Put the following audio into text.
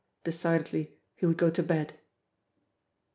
Decidedly he would go to bed.